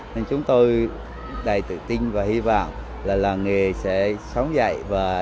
nên chúng tôi đầy tự tin và hy vọng là làng nghề sẽ sống dạy